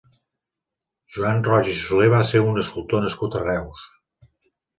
Joan Roig i Solé va ser un escultor nascut a Reus.